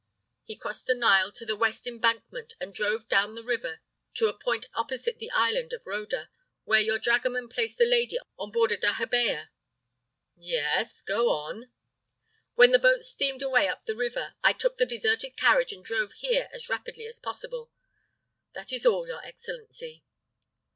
He crossed the Nile to the west embankment and drove down the river to a point opposite the island of Roda, where your dragoman placed the lady on board a dahabeah." "Yes; go on." "When the boat steamed away up the river, I took the deserted carriage and drove here as rapidly as possible. That is all, your excellency."